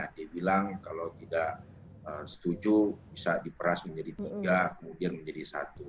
dia bilang kalau tidak setuju bisa diperas menjadi tiga kemudian menjadi satu